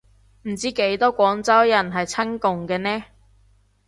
唔知幾多廣州人係親共嘅呢